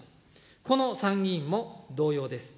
この参議院も同様です。